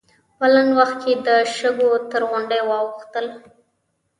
په لنډ وخت کې د شګو تر غونډۍ واوښتل.